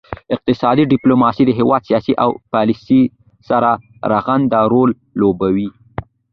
اقتصادي ډیپلوماسي د هیواد سیاست او پالیسي سره رغند رول لوبوي